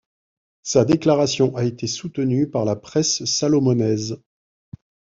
Sa déclaration a été soutenue par la presse Salomonaise.